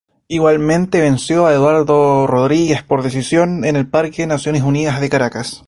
Igualmente venció a Eduardo Rodríguez por decisión en el Parque Naciones Unidas de Caracas.